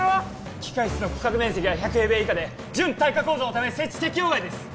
機械室の区画面積が１００平米以下で準耐火構造のため設置適用外です